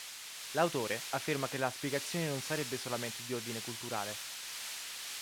L'autore afferma che la spiegazione non sarebbe solamente di ordine culturale.